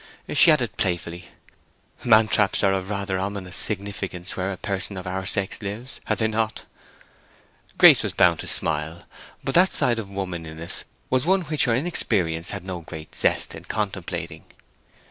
She added, playfully, "Man traps are of rather ominous significance where a person of our sex lives, are they not?" Grace was bound to smile; but that side of womanliness was one which her inexperience had no great zest in contemplating.